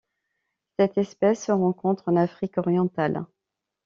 Cette espèce se rencontre en Afrique orientale.